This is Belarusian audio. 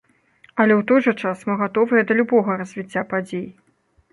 Але ў той жа час мы гатовыя да любога развіцця падзей.